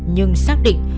nhưng xác định